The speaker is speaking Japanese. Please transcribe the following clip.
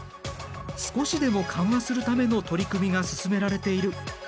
少しでも緩和するための取り組みが進められている。